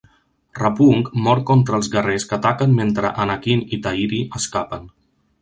Rapuung mor contra els guerrers que ataquen mentre Anakin i Tahiri escapen.